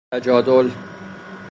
تجادل